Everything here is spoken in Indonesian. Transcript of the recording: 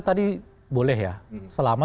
tadi boleh ya selama